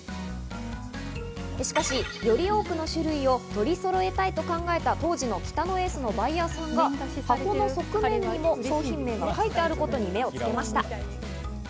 しかし、より多くの種類を取りそろえたいと考えた当時の北野エースのバイヤーさんが箱の側面にも商品名が書いてあることに目をつけました。